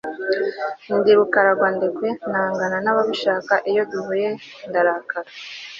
Nti Rukaragandekwe nangana nababisha iyo duhuye ndarakara